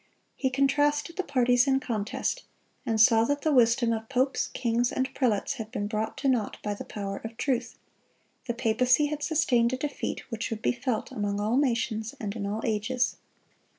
He contrasted the parties in contest, and saw that the wisdom of popes, kings, and prelates had been brought to naught by the power of truth. The papacy had sustained a defeat which would be felt among all nations and in all ages.